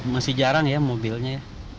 masih jarang ya mobilnya